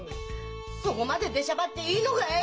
そこまで出しゃばっていいのかい？